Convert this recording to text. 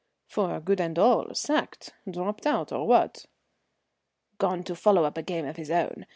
"For good and all? Sacked, dropped out, or what?" "Gone to follow up a game of his own.